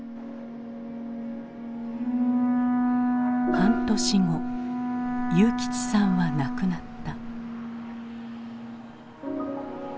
半年後祐吉さんは亡くなった。